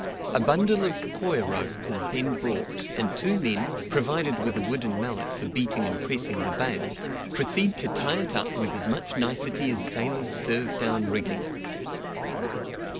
A bundle of coir rope is then brought, and two men, provided with a wooden mallet for beating and pressing the bale, proceed to tie it up with as much nicety as sailors serve down rigging.